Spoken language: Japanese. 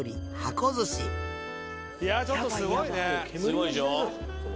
すごいでしょ。